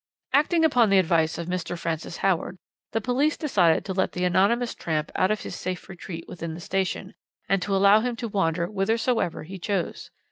"Acting upon the advice of Mr. Francis Howard, the police decided to let the anonymous tramp out of his safe retreat within the station, and to allow him to wander whithersoever he chose.